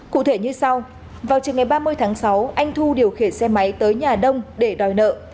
cụ thể như sau vào trường ngày ba mươi tháng sáu anh thu điều khiển xe máy tới nhà đông để đòi nợ